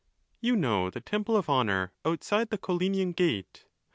You know the Temple of Honour, outside the Collinian gate.